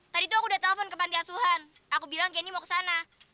tadi kan aku ditabrak mobil